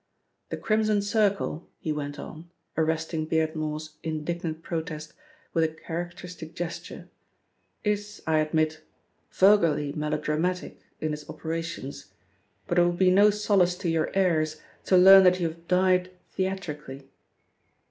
The Crimson Circle," he went on, arresting Beardmore's indignant protest with a characteristic gesture, "is, I admit, vulgarly melodramatic in its operations, but it will be no solace to your heirs to learn that you have died theatrically."